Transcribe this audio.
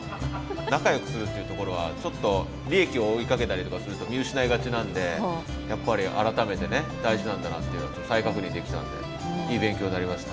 仲よくするっていうところはちょっと利益を追いかけたりとかすると見失いがちなんでやっぱり改めてね大事なんだなっていうのを再確認できたんでいい勉強になりました。